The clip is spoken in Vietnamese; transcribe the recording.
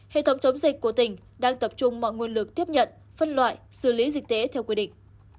hệ thống chống dịch của tỉnh đang tập trung mọi nguồn lực tiếp nhận phân loại xử lý dịch tễ theo quy định